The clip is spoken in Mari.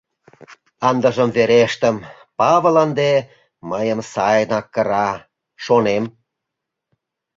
«Ындыже верештым, Павыл ынде мыйым сайынак кыра», — шонем.